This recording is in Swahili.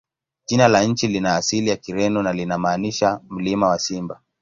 Jina la nchi lina asili ya Kireno na linamaanisha "Mlima wa Simba".